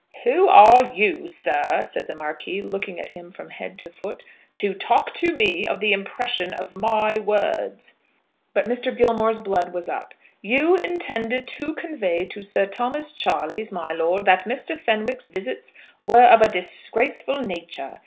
"Who are you, sir," said the Marquis, looking at him from head to foot, "to talk to me of the impression of my words?" But Mr. Gilmore's blood was up. "You intended to convey to Sir Thomas Charleys, my lord, that Mr. Fenwick's visits were of a disgraceful nature.